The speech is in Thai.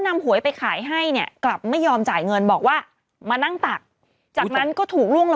เมื่อเมื่อเมื่อ